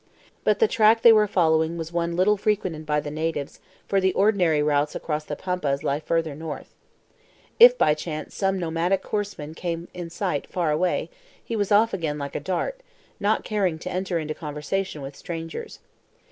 But the track they were following was one little frequented by the natives, for the ordinary routes across the Pampas lie further north. If by chance some nomadic horseman came in sight far away, he was off again like a dart, not caring to enter into conversation with strangers.